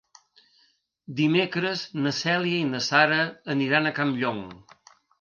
Dimecres na Cèlia i na Sara aniran a Campllong.